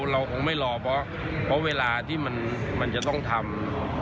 เราคงไม่รอเพราะเวลาที่มันจะต้องทำ